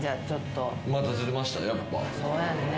そうやんね。